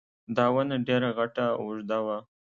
دا ونه ډېره غټه او اوږده وه